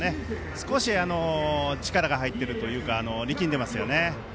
少し力が入っているというか力んでいますね。